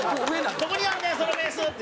どこにあんねんそのベース！って。